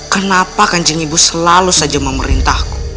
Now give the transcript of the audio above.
kenapa kancing ibu selalu saja memerintahku